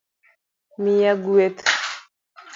miya gweth